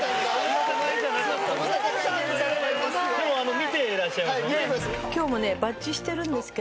見てらっしゃいますもんね。